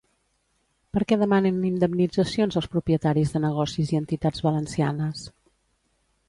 Per què demanen indemnitzacions els propietaris de negocis i entitats valencianes?